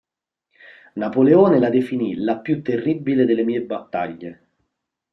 Napoleone la definì "la più terribile delle mie battaglie".